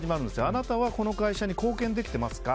あなたはこの会社に貢献できていますか。